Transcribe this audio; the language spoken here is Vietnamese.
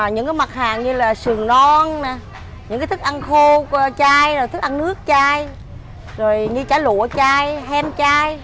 những cái mặt hàng như là sườn non những cái thức ăn khô chay thức ăn nước chay rồi như chả lụa chay hem chay